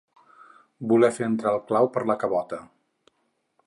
Voler fer entrar el clau per la cabota.